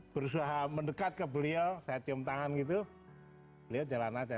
berusaha mendekat ke beliau saya cium tangan gitu beliau jalan aja